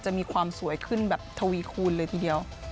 มีความสวยขึ้นแบบทวีคูณเลยทีเดียว